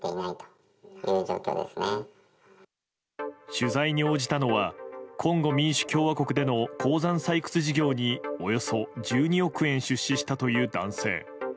取材に応じたのはコンゴ民主共和国での鉱山採掘事業におよそ１２億円出資したという男性。